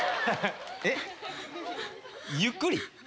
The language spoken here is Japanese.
えっゆっくり？